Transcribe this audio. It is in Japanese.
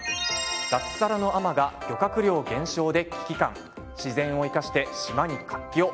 脱サラの海士が漁獲量減少で危機感自然を生かして島に活気を。